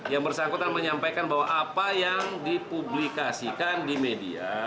yang bersangkutan menyampaikan bahwa apa yang dipublikasikan di media